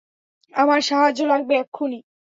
আমার সাহায্য লাগবে এক্ষুণি।